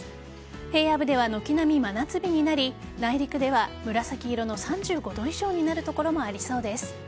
平野部では軒並み真夏日になり内陸では紫色の３５度以上になる所もありそうです。